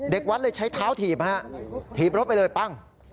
เด็กวัดเลยใช้เท้าถีบถีบรถไปเลยปั้ง